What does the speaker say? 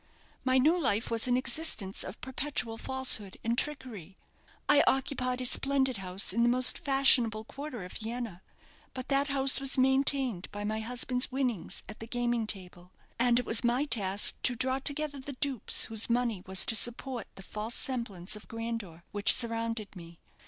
My new life was an existence of perpetual falsehood and trickery. I occupied a splendid house in the most fashionable quarter of Vienna; but that house was maintained by my husband's winnings at the gaming table; and it was my task to draw together the dupes whose money was to support the false semblance of grandeur which surrounded me.